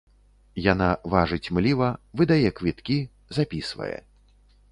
Яна важыць мліва, выдае квіткі, запісвае.